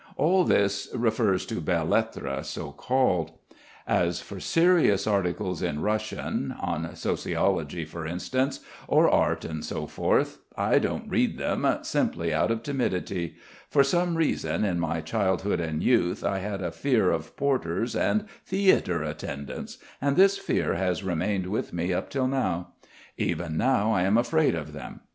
All this refers to belles lettres, so called. As for serious articles in Russian, on sociology, for instance, or art and so forth, I don't read them, simply out of timidity. For some reason in my childhood and youth I had a fear of porters and theatre attendants, and this fear has remained with me up till now. Even now I am afraid of them.